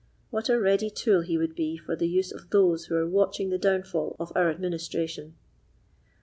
What a ready tool he would be for the use of those who are watching the downfall of our administration!"